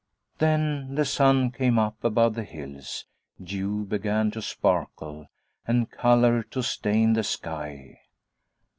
Then the sun came up above the hills; dew began to sparkle, and color to stain the sky.